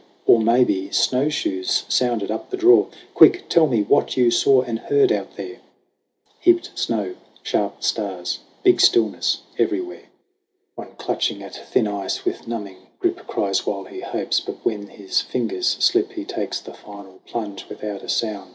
Or maybe snowshoes sounded up the draw. Quick, tell me what you saw and heard out there !" 120 SONG OF HUGH GLASS "Heaped snow sharp stars big stillness every where." One clutching at thin ice with numbing grip Cries while he hopes ; but when his fingers slip, He takes the final plunge without a sound.